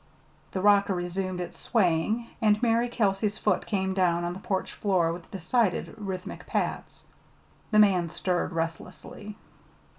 the rocker resumed its swaying, and Mary Kelsey's foot came down on the porch floor with decided, rhythmic pats. The man stirred restlessly.